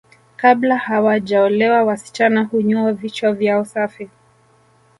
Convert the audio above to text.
Kabla hawajaolewa wasichana hunyoa vichwa vyao safi